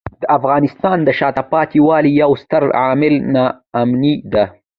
د افغانستان د شاته پاتې والي یو ستر عامل ناامني دی.